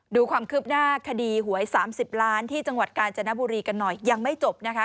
ดูความคืบหน้าคดีหวย๓๐ล้านที่จังหวัดกาญจนบุรีกันหน่อยยังไม่จบนะคะ